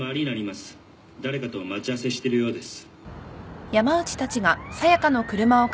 誰かと待ち合わせしてるようです。